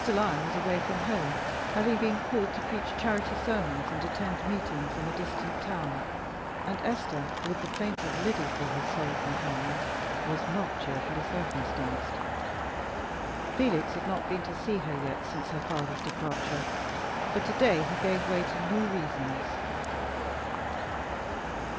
Lyon was away from home, having been called to preach charity sermons and attend meetings in a distant town; and Esther, with the plaintive Lyddy for her sole companion, was not cheerfully circumstanced. Felix had not been to see her yet since her father's departure, but to day he gave way to new reasons.